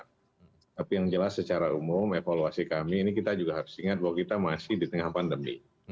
tapi yang jelas secara umum evaluasi kami ini kita juga harus ingat bahwa kita masih di tengah pandemi